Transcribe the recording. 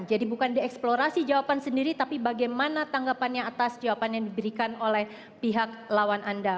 jadi bukan dieksplorasi jawaban sendiri tapi bagaimana tanggapannya atas jawaban yang diberikan oleh pihak lawan anda